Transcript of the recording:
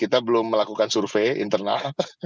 kita belum melakukan survei internal